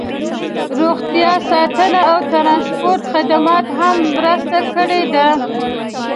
روغتیا ساتنې او ټرانسپورټ خدماتو هم مرسته کړې ده